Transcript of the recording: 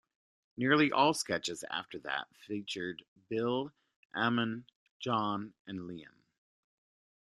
Nearly all sketches after that featured Bill, Eamonn, John and Liam.